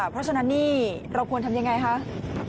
เพราะฉะนั้นเราควรทำอย่างไรครับ